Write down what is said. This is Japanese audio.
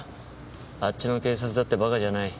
あっちの警察だってバカじゃない。